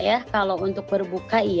ya kalau untuk sahur berbuka seperti itu